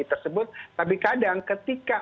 tersebut tapi kadang ketika